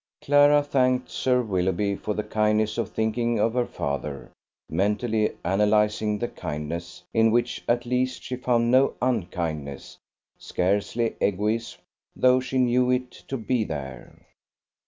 Clara thanked Sir Willoughby for the kindness of thinking of her father, mentally analysing the kindness, in which at least she found no unkindness, scarcely egoism, though she knew it to be there.